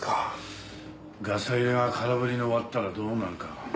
ガサ入れが空振りに終わったらどうなるか。